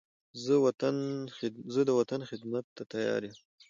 زه د وطن خدمت ته تیار یم.